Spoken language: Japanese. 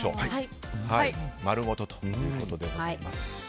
丸ごとということでございます。